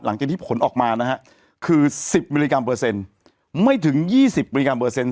หลังจากที่ผลออกมานะฮะคือ๑๐มิลลิกรัมเปอร์เซ็นต์ไม่ถึง๒๐มิลลิกรัมเปอร์เซ็นต